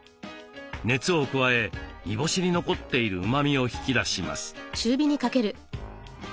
熱を加え煮干しに残っているうまみを引き出します。